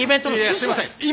すいません